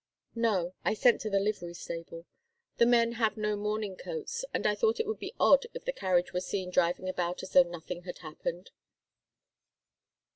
"No I sent to the livery stable. The men have no mourning coats and I thought it would be odd if the carriage were seen driving about as though nothing had happened."